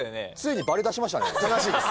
ついにバレだしましたね。